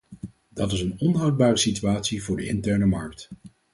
Dat is een onhoudbare situatie voor de interne markt.